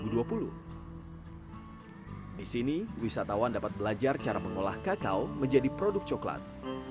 di sini wisatawan dapat belajar cara mengolah kakao menjadi produk coklat